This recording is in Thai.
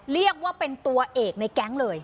เรียกว่าเป็นตัวเอกในแก๊งเลย